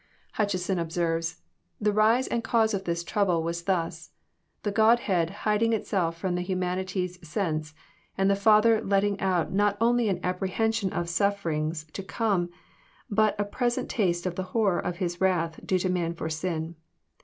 Hutcheson observes :" The rise and cause of this trouble was thus : the Godhead hiding itself fk*om the humanity's sense, and the Father letting out not only an apprehension of sufferings to come, but a present taste of the horror of His wrath due to man for sin.